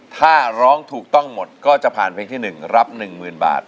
ถ้าร้องถูกต้องหมดก็จะผ่านเพลงที่๑รับ๑๐๐๐บาท